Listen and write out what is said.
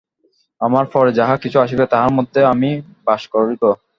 আমার পরে যাহা কিছু আসিবে, তাহার মধ্যেও আমি বাস করিব।